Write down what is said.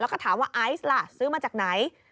แล้วก็ถามว่าไอซ์ล่ะซื้อมาจากไหน